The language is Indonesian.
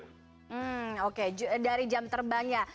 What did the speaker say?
hmm oke dari jam terbang ya